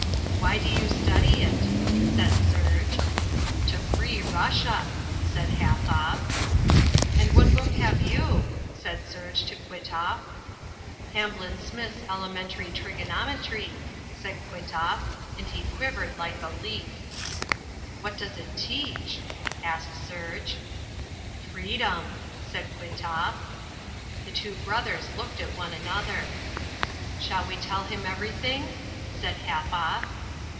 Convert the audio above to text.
"Why do you study it?" said Serge. "To free Russia," said Halfoff. "And what book have you?" said Serge to Kwitoff. "Hamblin Smith's Elementary Trigonometry," said Kwitoff, and he quivered like a leaf. "What does it teach?" asked Serge. "Freedom!" said Kwitoff. The two brothers looked at one another. "Shall we tell him everything?" said Halfoff.